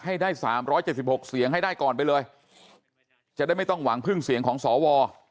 ให้ได้๓๗๖เสียงให้ได้ก่อนไปเลยจะได้ไม่ต้องหวังพึ่งเสียงของสว